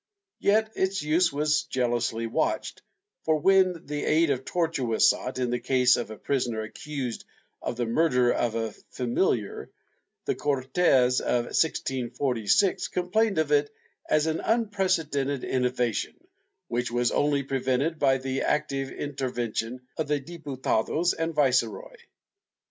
Yet its use was jealously watched, for when the aid of torture was sought in the case of a prisoner accused of the murder of a famil iar, the Cortes of 1646 complained of it as an unprecedented innovation, which was only prevented by the active intervention of the diputados and viceroy.